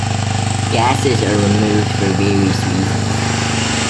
Gases are removed for various reasons.